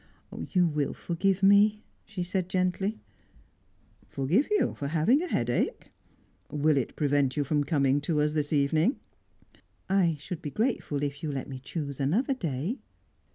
"You will forgive me?" she said gently. "Forgive you for having a headache? Will it prevent you from coming to us this evening?" "I should be grateful if you let me choose another day."